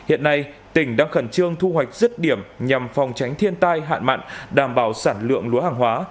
hiện nay tỉnh đang khẩn trương thu hoạch rứt điểm nhằm phòng tránh thiên tai hạn mặn đảm bảo sản lượng lúa hàng hóa